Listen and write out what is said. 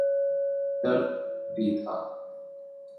درد بھی تھا۔